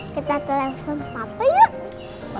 kita telepon papa ya